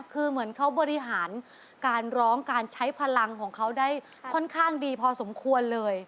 คือเหมือนเขาบริหารการร้องการใช้พลังของเขาได้ค่อนข้างดีพอสมควรเลย